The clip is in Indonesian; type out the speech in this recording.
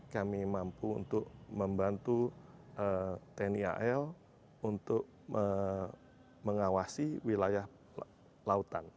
kami mampu untuk membantu tni al untuk mengawasi wilayah lautan